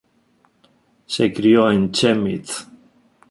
Se crio en Chemnitz.